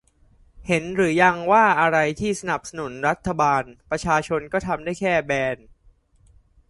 เห็นหรือยังว่าอะไรที่สนับสนุนรัฐบาล ประชาชนก็ทำได้แค่ แบน